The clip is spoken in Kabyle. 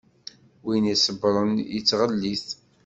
Win i iṣebbṛen yettɣellit.